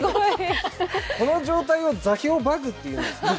この状態を座標バグっていうんですね。